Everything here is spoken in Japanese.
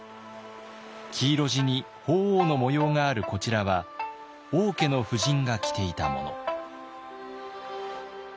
黄色地に鳳凰の模様があるこちらは王家の婦人が着ていたもの。